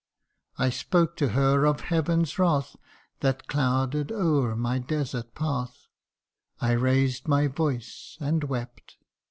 I spoke to her of heaven's wrath That clouded o'er my desert path, I raised my voice and wept